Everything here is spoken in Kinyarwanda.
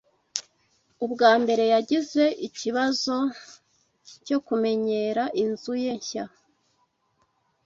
Ubwa mbere yagize ikibazo cyo kumenyera inzu ye nshya